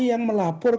itu yang melaporkan